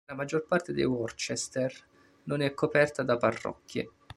La maggior parte di Worcester non è coperta da parrocchie.